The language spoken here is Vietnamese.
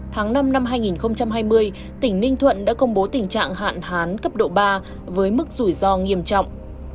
tháng năm năm hai nghìn hai mươi tỉnh ninh thuận đã công bố tình trạng hạn hán cấp độ ba với mức rủi ro nghiêm trọng